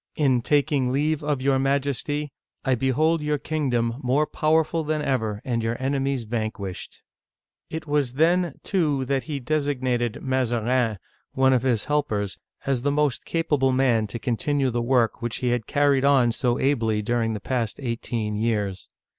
In taking leave of your Majesty, I behold your kingdom more powerful than ever, and your enemies vanquished. It was then, too, that he designated Mazarin (ma za rSN') — one of his helpers — as the most capable man to continue the workVhich he had carried on so ably during the past Digitized by Google 3M OLD FRANCE eighteen years.